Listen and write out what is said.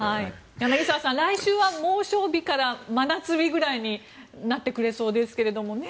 柳澤さん、来週は猛暑日から真夏日ぐらいになってくれそうですけどね。